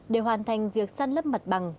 để hoàn thành việc sân lấp mặt bằng